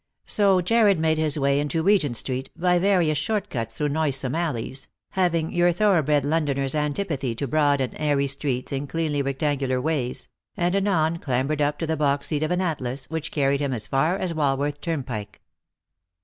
So Jarred made his way into 354 Lost for Love. Regent street, by various short cuts through noisome alleys having your thoroughbred Londoner's antipathy to broad and airy streets and cleanly rectangular ways — and anon clambered up to the box seat of an Atlas, which carried him as far as Walworth turnpike.